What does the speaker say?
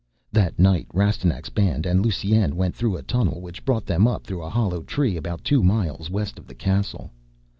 That night Rastignac's band and Lusine went through a tunnel which brought them up through a hollow tree about two miles west of the castle.